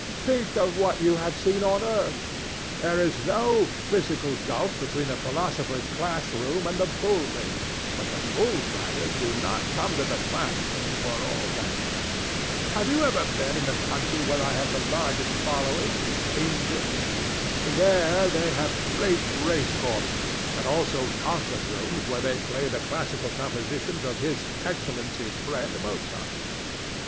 Think of what you have seen on earth. There is no physical gulf between the philosopher's class room and the bull ring; but the bull fighters do not come to the class room for all that. Have you ever been in the country where I have the largest following England? There they have great racecourses, and also concert rooms where they play the classical compositions of his Excellency's friend Mozart.